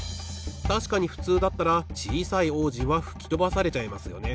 たしかにふつうだったらちいさい王子はふきとばされちゃいますよね。